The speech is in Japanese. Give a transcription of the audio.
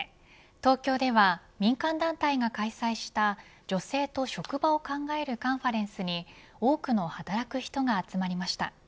東京では民間団体が開催した女性と職場を考えるカンファレンスに多くの働く人が集まりました。